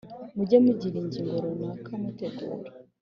mujye mugira ingingo runaka mutegura